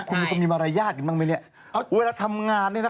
คุณมีคนมีมารยาทกันบ้างไหมเนี่ยเวลาทำงานเนี่ยนะ